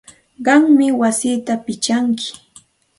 Qammi wasiyki pichanki.